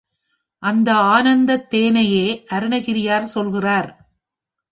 இந்த ஆனந்தத் தேனையே அருணகிரியார் சொல்கிறார்.